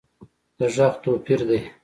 د غږ توپیر دی